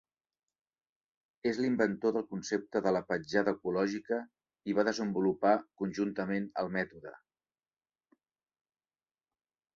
És l'inventor del concepte de la "petjada ecològica" i va desenvolupar conjuntament el mètode.